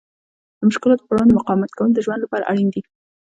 د مشکلاتو په وړاندې مقاومت کول د ژوند لپاره اړین دي.